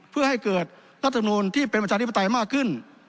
เพื่อให้เกิดรัฐมนูลที่เป็นประชาธิปไตยมากขึ้น